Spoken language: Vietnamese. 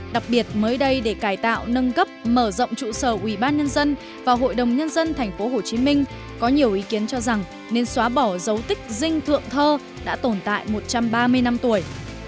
đặc biệt mới đây để cải tạo nâng cấp mở rộng trụ sở ubnd và hội đồng nhân dân tp hcm có nhiều ý kiến cho rằng nên xóa bỏ dấu tích dinh thượng thơ đã tồn tại một trăm ba mươi năm tuổi